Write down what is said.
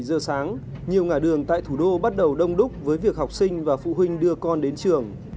bảy giờ sáng nhiều ngã đường tại thủ đô bắt đầu đông đúc với việc học sinh và phụ huynh đưa con đến trường